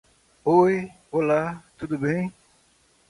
Oi, olá. Tudo bem.